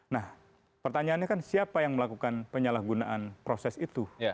nah pertanyaannya kan siapa yang melakukan penyalahgunaan proses itu